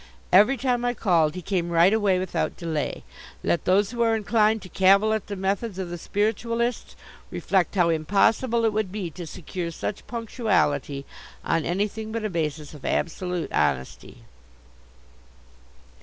Every time I called he came right away without delay. Let those who are inclined to cavil at the methods of the Spiritualists reflect how impossible it would be to secure such punctuality on anything but a basis of absolute honesty.